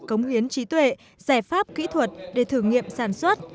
cống hiến trí tuệ giải pháp kỹ thuật để thử nghiệm sản xuất